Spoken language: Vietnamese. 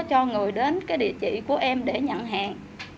cho người đến cái địa chỉ của em để nhận hàng